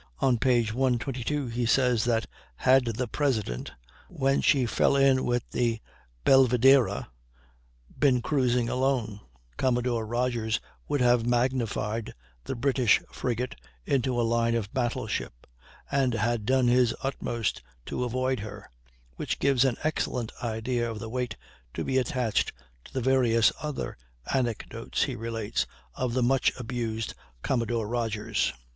On p. 122 he says that "had the President, when she fell in with the Belvidera, been cruising alone Commodore Rodgers would have magnified the British frigate into a line of battle ship, and have done his utmost to avoid her," which gives an excellent idea of the weight to be attached to the various other anecdotes he relates of the much abused Commodore Rodgers.